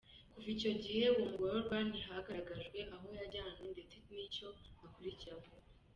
Kuva icyo gihe uwo mugororwa ntihagaragajwe aho yajyanywe ndetse n’icyo akurikiranyweho.